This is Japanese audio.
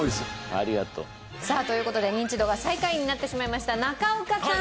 ありがとう。という事でニンチドが最下位になってしまいました中岡さん